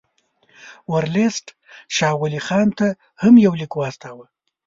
ورلسټ شاه ولي خان ته هم یو لیک واستاوه.